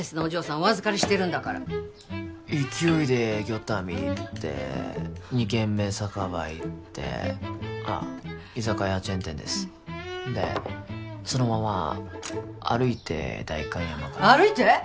お預かりしてるんだから勢いで「漁民」行って「二軒目酒場」行ってああ居酒屋チェーン店ですでそのまま歩いて代官山から歩いて？